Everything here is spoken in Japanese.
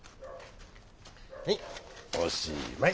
はいおしまい。